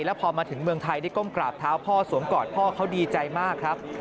แล้วพอมาถึงเมืองไทยได้ก้มกราบเท้าพ่อสวมกอดพ่อเขาดีใจมากครับ